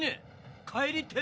帰りてえ？